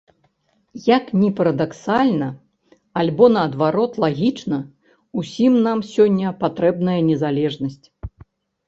Як ні парадаксальна альбо, наадварот, лагічна, усім нам сёння патрэбная незалежнасць.